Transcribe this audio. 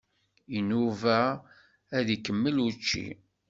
Inuba ad ikemmel učči.